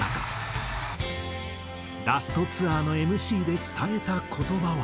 ラストツアーのＭＣで伝えた言葉は。